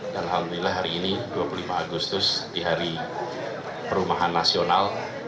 dan alhamdulillah hari ini dua puluh lima agustus di hari perumahan nasional